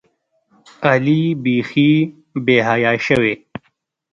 علي بیخي بېحیا شوی.